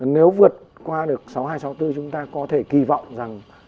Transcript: nếu vượt qua được sáu mươi hai sáu mươi bốn chúng ta có thể kỳ vọng rằng